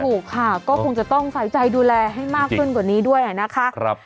ถูกค่ะก็คงจะต้องใส่ใจดูแลให้มากขึ้นกว่านี้ด้วยนะคะ